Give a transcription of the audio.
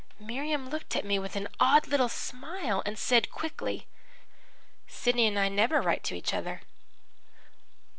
Miriam looked at me with an odd little smile and said quickly: "'Sidney and I never write to each other.'